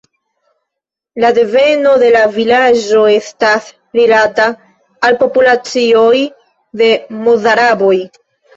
La deveno de la vilaĝo estas rilata al populacioj de mozaraboj.